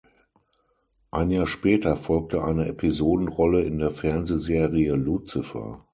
Ein Jahr später folgte eine Episodenrolle in der Fernsehserie "Lucifer".